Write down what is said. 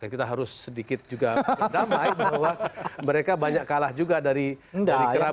kita harus sedikit juga damai bahwa mereka banyak kalah juga dari arab